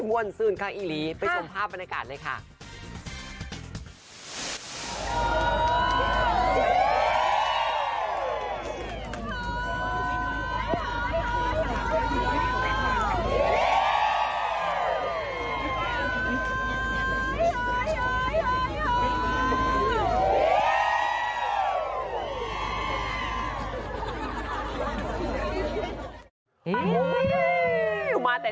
โภร์นซื่นไคนงภืมงคุศเมืองเตอรี่